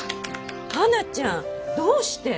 はなちゃんどうして？